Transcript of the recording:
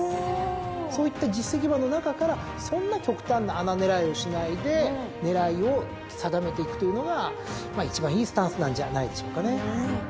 そういった実績馬の中からそんな極端な穴狙いをしないで狙いを定めていくというのが一番いいスタンスなんじゃないでしょうかね。